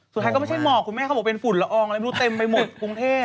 สุดท้ายก็ไม่ใช่หมอกคุณแม่เขาบอกเป็นฝุ่นละอองอะไรไม่รู้เต็มไปหมดกรุงเทพ